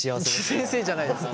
先生じゃないです。